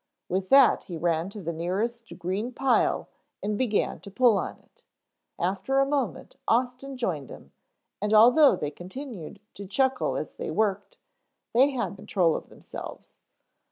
With that he ran to the nearest green pile and began to pull on it. After a moment Austin joined him, and although they continued to chuckle as they worked, they had control of themselves.